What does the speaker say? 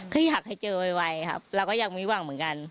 คืออยากให้เจอไวครับเราก็ยังมีหวังเหมือนกัน